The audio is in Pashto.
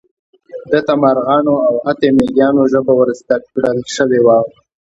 ده ته د مارغانو او حتی د مېږیانو ژبه ور زده کړل شوې وه.